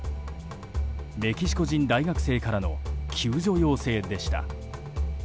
メキシコ人大学生からの救助要請でした。